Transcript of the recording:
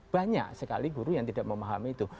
banyak sekali guru yang tidak memahami itu